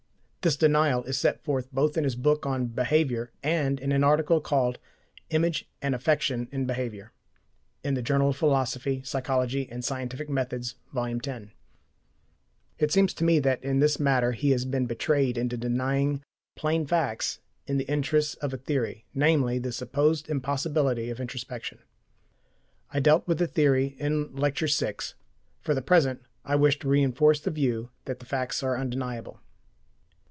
This denial is set forth both in his book on "Behavior" and in an article called "Image and Affection in Behavior" in the "Journal of Philosophy, Psychology and Scientific Methods," vol. x (July, 1913). It seems to me that in this matter he has been betrayed into denying plain facts in the interests of a theory, namely, the supposed impossibility of introspection. I dealt with the theory in Lecture VI; for the present I wish to reinforce the view that the facts are undeniable.